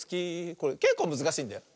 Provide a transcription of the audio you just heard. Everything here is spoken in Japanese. これけっこうむずかしいんだよ。